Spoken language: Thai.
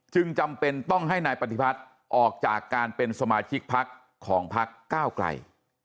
จำเป็นต้องให้นายปฏิพัฒน์ออกจากการเป็นสมาชิกพักของพักก้าวไกล